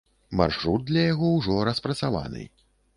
Маршрут для яго ўжо распрацаваны.